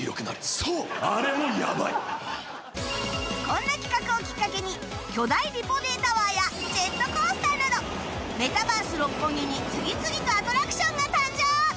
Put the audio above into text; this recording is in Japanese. こんな企画をきっかけに巨大リポ Ｄ タワーやジェットコースターなどメタバース六本木に次々とアトラクションが誕生！